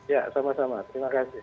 ya sama sama terima kasih